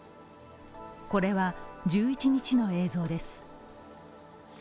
これは１１日の映像です。